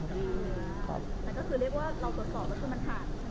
แต่ก็คือเรียกว่าเราตรวจสอบก็คือมันผ่าน